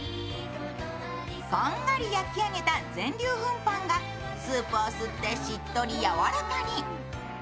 こんがり焼き上げた全粒粉パンがスープを吸ってしっとり柔らかに。